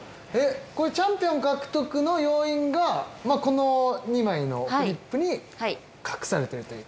チャンピオン獲得の要因がこの２枚のフリップに隠されているという。